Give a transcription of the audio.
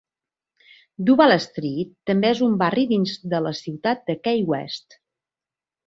Duval Street també és un barri dins de la ciutat de Key West.